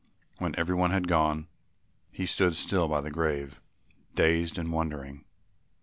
When every one had gone he still stood by the grave, dazed and wondering.